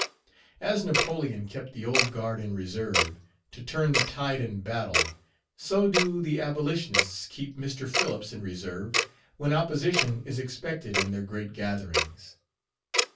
As Napoleon kept the Old Guard in reserve, to turn the tide in battle, so do the Abolitionists keep Mr. Phillips in reserve when opposition is expected in their great gatherings.